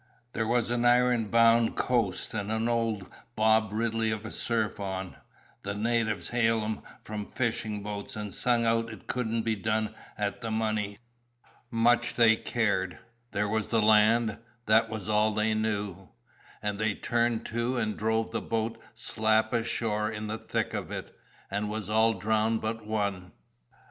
There was an iron bound coast and an Old Bob Ridley of a surf on. The natives hailed 'em from fishing boats, and sung out it couldn't be done at the money. Much they cared! there was the land, that was all they knew; and they turned to and drove the boat slap ashore in the thick of it, and was all drowned but one.